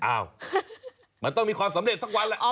อ้าวมันต้องมีความสำเร็จทั้งวันแหละ